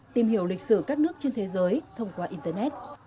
tìm hiểu lịch sử các nước trên thế giới thông qua internet